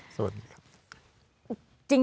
สวัสดีครับ